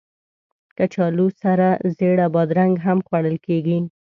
کچالو سره زېړه بادرنګ هم خوړل کېږي